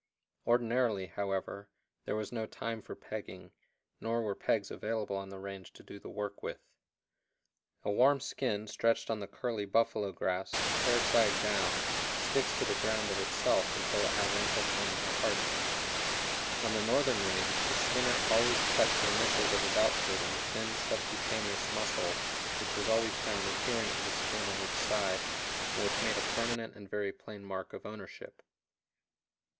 Ordinarily, however, there was no time for pegging, nor were pegs available on the range to do the work with. A warm skin stretched on the curly buffalo grass, hair side down, sticks to the ground of itself until it has ample time to harden. On the northern range the skinner always cut the initials of his outfit in the thin subcutaneous muscle which was always found adhering to the skin on each side, and which made a permanent and very plain mark of ownership.